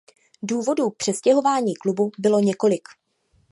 Důvodů k přestěhování klubu bylo několik.